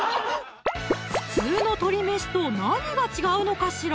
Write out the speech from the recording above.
普通の鶏めしと何が違うのかしら？